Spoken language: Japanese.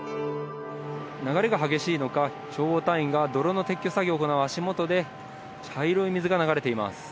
流れが激しいのか消防隊員が泥の撤去作業を行う足元で茶色い水が流れています。